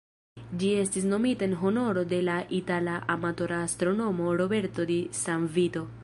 Ĝi estis nomita en honoro de la itala amatora astronomo "Roberto di San Vito".